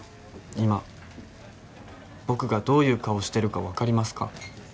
今僕がどういう顔してるかわかりますか？